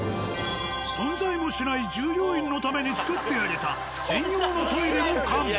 存在もしない従業員のために作ってあげた専用のトイレも完備。